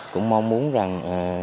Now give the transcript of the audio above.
cũng mong muốn rằng